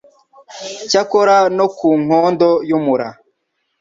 cyakora no ku nkondo y'umura